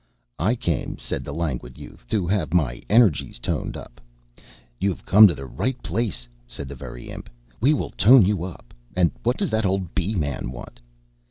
"I came," said the Languid Youth, "to have my energies toned up." "You have come to the right place," said the Very Imp. "We will tone you up. And what does that old Bee man want?"